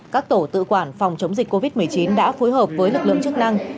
các tổ tự quản phòng chống dịch covid một mươi chín đã phối hợp với lực lượng chức năng